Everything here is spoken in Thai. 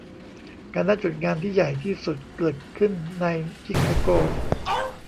การนัดหยุดงานที่ใหญ่ที่สุดเกิดขึ้นในชิคาโก